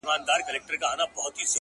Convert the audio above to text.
o د زړه لاسونه مو مات ؛ مات سول پسي؛